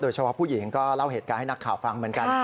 เฉพาะผู้หญิงก็เล่าเหตุการณ์ให้นักข่าวฟังเหมือนกัน